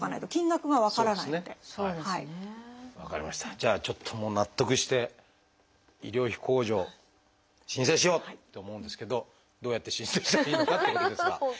じゃあちょっともう納得して医療費控除申請しようって思うんですけどどうやって申請したらいいのかっていうことですが。